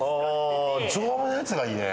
丈夫なやつがいいね。